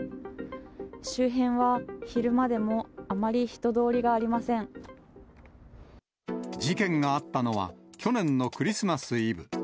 周辺は昼間でもあまり人通りがあ事件があったのは、去年のクリスマスイブ。